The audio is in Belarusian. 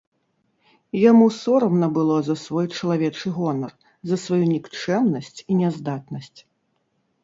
Яму сорамна было за свой чалавечы гонар, за сваю нікчэмнасць і няздатнасць.